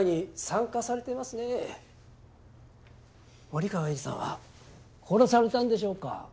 森川栄治さんは殺されたんでしょうか？